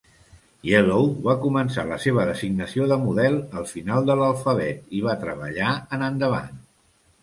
Yellow va començar la seva designació de model al final de l"alfabet i va treballar en endavant.